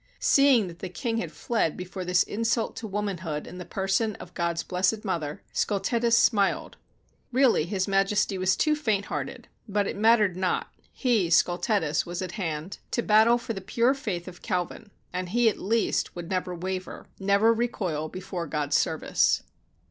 Seeing that the king had fled before this insult to womanhood in the person of God's Blessed Mother, Scultetus smiled. Really, His Majesty was too faint hearted; but it mattered not, he, Scultetus, was at hand 293 AUSTRIA HUNGARY to battle for the pure Faith of Calvin; and he, at least, would never waver, never recoil before God's service.